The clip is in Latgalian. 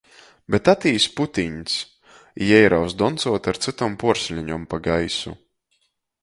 Bet atīs Putiņs, i jei raus doncuot ar cytom puorsleņom pa gaisu.